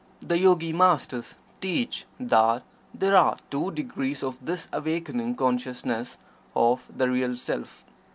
The Yogi Masters teach that there are two degrees of this awakening consciousness of the Real Self.